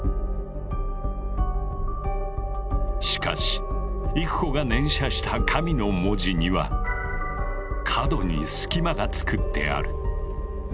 しかし郁子が念写した「神」の文字には角に隙間が作ってある。